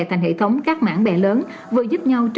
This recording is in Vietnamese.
thành hệ thống các mảng bè lớn vừa giúp nhau